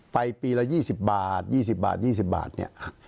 ไปปีละ๒๐บาท๒๐บาท๒๐บาทเนี่ย